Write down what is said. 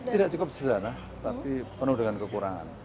tidak cukup sederhana tapi penuh dengan kekurangan